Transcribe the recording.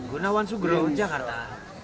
gunawan sugro jakarta